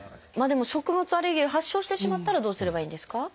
でも食物アレルギーを発症してしまったらどうすればいいんですか？